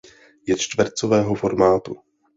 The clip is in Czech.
Je čtvercového formátu.